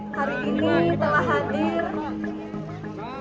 hari ini telah hadir